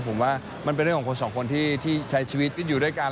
ผมว่ามันเป็นเรื่องของคนสองคนที่ใช้ชีวิตอยู่ด้วยกัน